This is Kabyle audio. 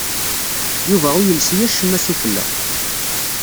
Yuba ur yelsi acemma sufella.